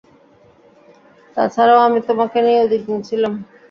তাছাড়াও আমি তোমাকে নিয়ে উদ্বিগ্ন ছিলাম।